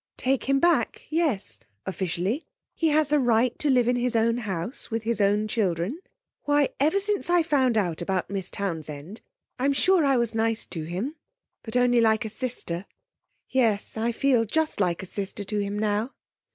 'Take him back? yes; officially. He has a right to live in his own house, with his own children. Why, ever since I found out about Miss Townsend ... I'm sure I was nice to him, but only like a sister. Yes. I feel just like a sister to him now.'